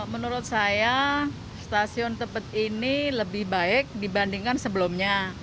menurut saya stasiun tebet ini lebih baik dibandingkan sebelumnya